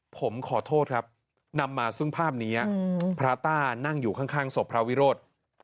ผมขอโทษครับนำมาซึ่งภาพนี้พระต้านั่งอยู่ข้างศพพระวิโรธ